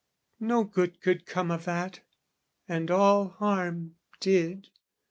No good could come of that; and all harm did.